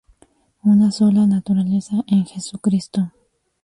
Una sola naturaleza en Jesucristo.